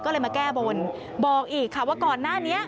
ก็เลยมาแก้บนบอกอีกค่ะว่าก่อนหน้านี้